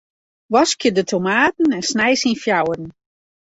Waskje de tomaten en snij se yn fjouweren.